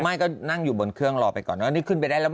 ไม่ก็นั่งอยู่บนเครื่องรอไปก่อนว่านี่ขึ้นไปได้แล้ว